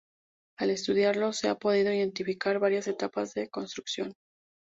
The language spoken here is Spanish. Al estudiarlos se han podido identificar varias etapas de construcción.